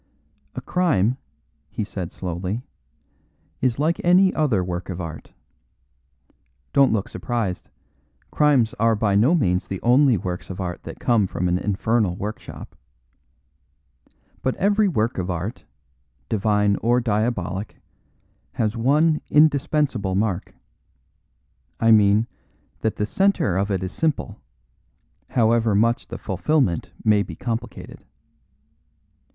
"A crime," he said slowly, "is like any other work of art. Don't look surprised; crimes are by no means the only works of art that come from an infernal workshop. But every work of art, divine or diabolic, has one indispensable mark I mean, that the centre of it is simple, however much the fulfilment may be complicated.